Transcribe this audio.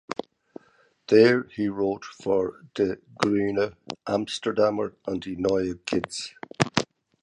There he wrote for De Groene Amsterdammer and De Nieuwe Gids.